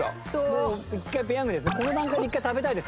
もう一回ペヤングです。